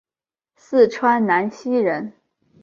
四川南溪人。